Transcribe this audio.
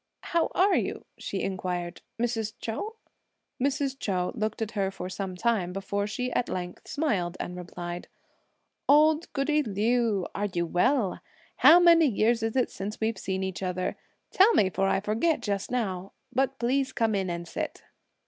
"How are you," she inquired, "Mrs. Chou?" Mrs. Chou looked at her for some time before she at length smiled and replied, "Old goody Liu, are you well? How many years is it since we've seen each other; tell me, for I forget just now; but please come in and sit."